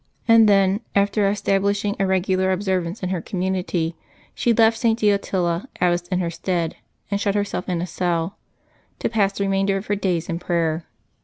And then, after establishing a regular observance in her community, she left St. Deotila abbess in her stead, and shut herself in a cell, to pass the remainder of her days in prayer.